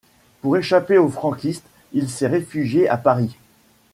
Pour échapper aux Franquistes, il s'est réfugié à Paris.